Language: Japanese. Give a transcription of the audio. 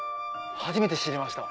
初めて知りました。